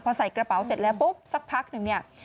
พอใส่กระเป๋าเสร็จแล้วปุ๊บสักพักหนึ่งเนี่ย